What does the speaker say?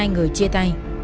người chia tay